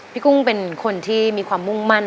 พี่กุ้งเป็นคนที่มีความมุ่งมาก